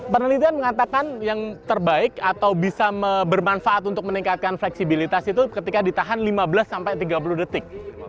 penelitian mengatakan yang terbaik atau bisa bermanfaat untuk meningkatkan fleksibilitas itu ketika ditahan lima belas sampai tiga puluh detik